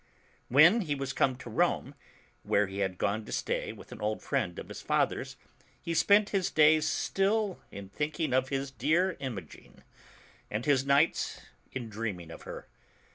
31 VVTien he was cx>nie to Rome, where he had gone lo stay with an old friend of his lather's, he spent his days still in thinking of hi^ dear Imogen, and his nights in dreaming of her.